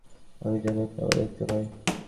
আমি যেন ওকে আবার দেখতে পাই।